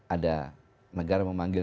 ada negara memanggil